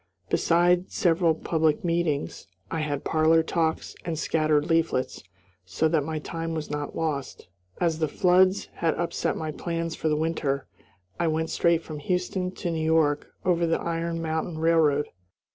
Beside several public meetings, I had parlor talks and scattered leaflets, so that my time was not lost. As the floods had upset my plans for the winter, I went straight from Houston to New York over the Iron Mountain Railroad.